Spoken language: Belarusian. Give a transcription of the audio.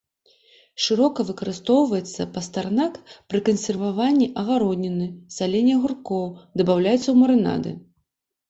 Шырока выкарыстоўваецца пастарнак пры кансерваванні агародніны, саленні агуркоў, дабаўляецца ў марынады.